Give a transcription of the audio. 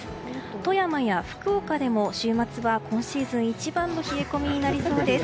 富山や福岡でも週末は今シーズン一番の冷え込みになりそうです。